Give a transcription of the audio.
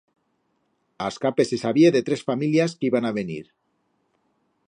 A escape se sabié de tres familias que iban a venir.